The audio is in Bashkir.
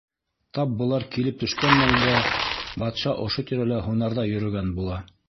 Тап былар килеп төшкән мәлдә, батша ошо тирәлә һунарҙа йөрөгән була.